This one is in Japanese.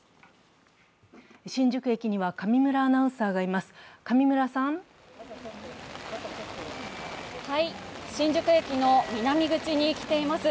新宿駅には上村アナウンサーがいます。